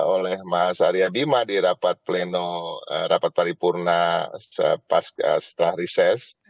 oleh mas arya bima di rapat pleno rapat paripurna setelah riset